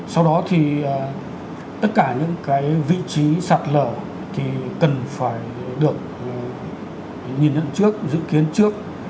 sau đó thì tất cả những cái vị trí sạt lở thì cần phải được nhìn nhận trước dự kiến trước